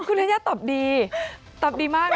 คุณธรรยาตบดีตบดีมากเลยอะ